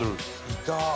いた！